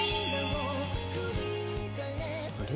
あれ？